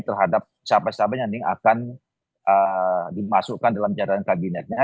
terhadap siapa siapa yang akan dimasukkan dalam jajaran kabinetnya